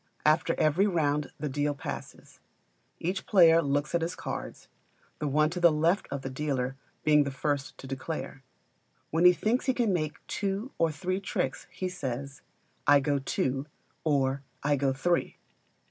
After every round the deal passes. Each player looks at his cards, the one to the left of the dealer being the first to declare. When he thinks he can make two or three tricks he says, "I go two," or "I go three."